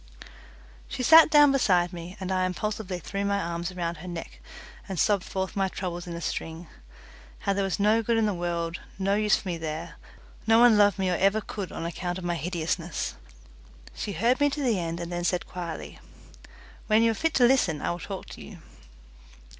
She sat down beside me, and I impulsively threw my arms around her neck and sobbed forth my troubles in a string. How there was no good in the world, no use for me there, no one loved me or ever could on account of my hideousness. She heard me to the end and then said quietly, "When you are fit to listen I will talk to you."